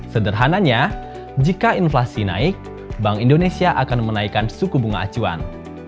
sederhananya jika inflasi naik bank indonesia akan menaikkan suku bunga acuan